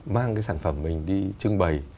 mang cái sản phẩm mình đi trưng bày